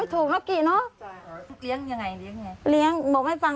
แต่ค่ายังไม่ฟัง